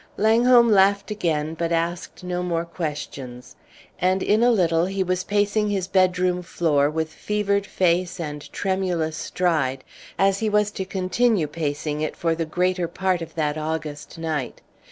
Langholm laughed again, but asked no more questions, and in a little he was pacing his bedroom floor, with fevered face and tremulous stride, as he was to continue pacing it for the greater part of that August night.